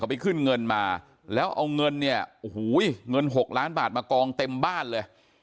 ไปขึ้นเงินมาแล้วเอาเงินเนี่ยโอ้โหเงิน๖ล้านบาทมากองเต็มบ้านเลย